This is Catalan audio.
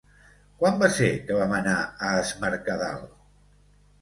Quan va ser que vam anar a Es Mercadal?